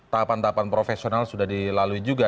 tahapan tahapan profesional sudah dilalui juga